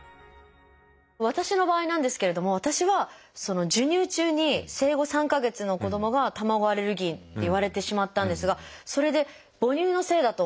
私の場合なんですけれども私は授乳中に生後３か月の子どもが卵アレルギーって言われてしまったんですがそれで母乳のせいだと思って。